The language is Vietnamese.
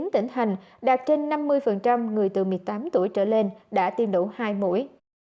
chín tỉnh hành đạt trên năm mươi người từ một mươi tám tuổi trở lên đã tiêm đủ hai mũi